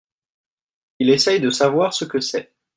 Il essaye de savoir ce que c'est.